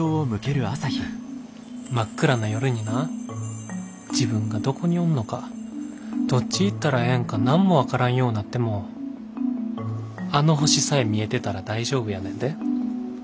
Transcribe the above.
真っ暗な夜にな自分がどこにおんのかどっち行ったらええんか何も分からんようなってもあの星さえ見えてたら大丈夫やねんで。